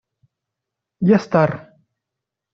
Я стар.